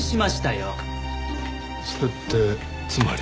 それってつまり。